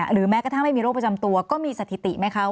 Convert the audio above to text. หรือแม้กระทั่งไม่มีโรคประจำตัวก็มีสถิติไหมคะ